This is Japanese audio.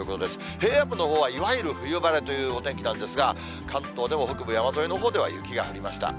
平野部のほうは、いわゆる冬晴れというお天気なんですが、関東でも北部山沿いのほうでは、雪が降りました。